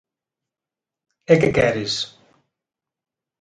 E que queres?